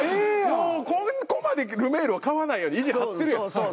もうここまできてルメールは買わないように意地張ってるやん。